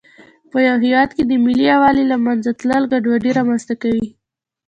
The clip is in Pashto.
په یوه هېواد کې د ملي یووالي له منځه تلل ګډوډي رامنځته کوي.